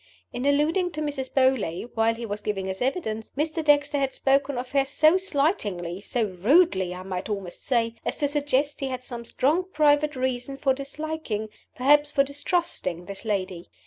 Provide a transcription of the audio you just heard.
In alluding to Mrs. Beauly, while he was giving his evidence, Mr. Dexter had spoken of her so slightingly so rudely, I might almost say as to suggest he had some strong private reasons for disliking (perhaps for distrusting) this lady.